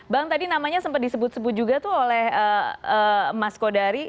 bang tadi namanya sempat disebut sebut juga tuh oleh mas kodari